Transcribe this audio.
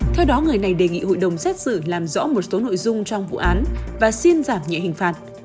theo đó người này đề nghị hội đồng xét xử làm rõ một số nội dung trong vụ án và xin giảm nhẹ hình phạt